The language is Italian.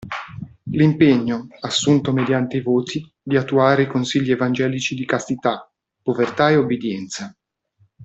L'impegno, assunto mediante i voti, di attuare i consigli evangelici di castità, povertà e obbedienza.